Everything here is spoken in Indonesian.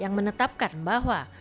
yang menetapkan bahwa